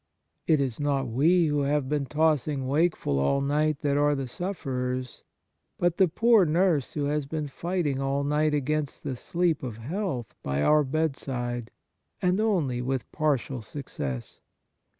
It is not we who have been tossing wakeful all night that are the sufferers, but the poor nurse who has been fighting all night against the sleep of health by our bedside, and only with partial success.